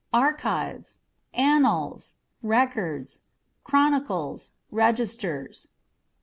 ARCHiVES r^nnals, records, chronicles, registers.